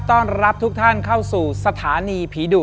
ต้อนรับทุกท่านเข้าสู่สถานีผีดุ